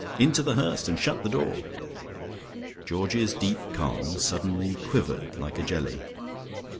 "Into The Hurst and shut the door " Georgie's deeper calm suddenly quivered like a jelly.